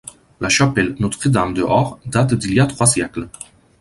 La chapelle Notre-Dame de Haurt date d’il y a trois siècles.